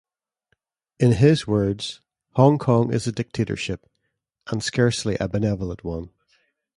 In his words: Hong Kong is a dictatorship; and scarcely a benevolent one.